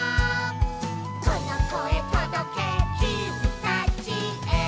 「このこえとどけきみたちへ」